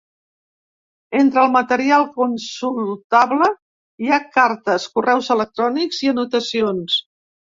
Entre el material consultable hi ha cartes, correus electrònics i anotacions.